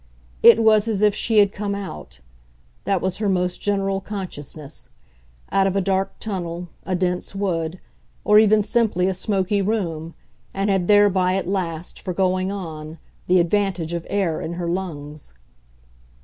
It was as if she had come out that was her most general consciousness; out of a dark tunnel, a dense wood, or even simply a smoky room, and had thereby, at least, for going on, the advantage of air in her lungs.